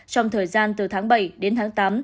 trong thời gian từ tháng bảy đến tháng tám